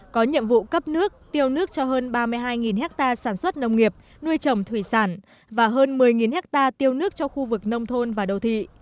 có nhiệm vụ cấp nước tiêu nước cho hơn ba mươi hai hectare sản xuất nông nghiệp nuôi trồng thủy sản và hơn một mươi hectare tiêu nước cho khu vực nông thôn và đô thị